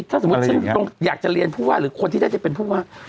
ถ้าสมมุติฉันอยากจะเรียนผู้ว่าหรือคนที่ได้จะเป็นผู้ว่า